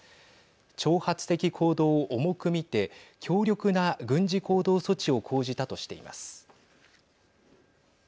挑発的行動を重く見て強力な軍事行動措置を講じたとしています。